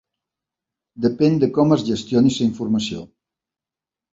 Depèn de com es gestioni la informació.